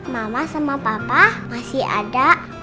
mama sama papa masih ada